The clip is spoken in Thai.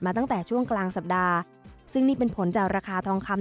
ตั้งแต่ช่วงกลางสัปดาห์ซึ่งนี่เป็นผลจากราคาทองคำ